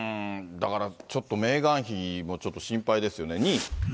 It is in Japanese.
だから、ちょっとメーガン妃もちょっと心配ですよね。